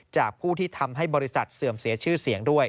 จากผู้ที่ทำให้บริษัทเสื่อมเสียชื่อเสียงด้วย